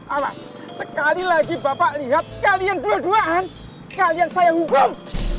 awas sekali lagi bapak lihat kalian berduaan kalian saya hukum